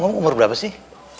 kamu umur berapa sih